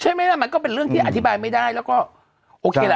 ใช่ไหมล่ะมันก็เป็นเรื่องที่อธิบายไม่ได้แล้วก็โอเคละ